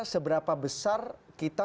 seberapa besar kita